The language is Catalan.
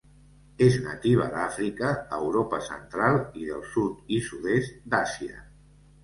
És nativa d'Àfrica, Europa central i del sud i sud-est d'Àsia.